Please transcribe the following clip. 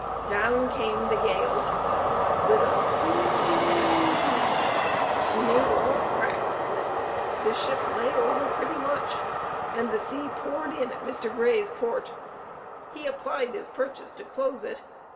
Down came the gale with a whoo, and made all crack. The ship lay over pretty much, and the sea poured in at Mr. Grey's port. He applied his purchase to close it.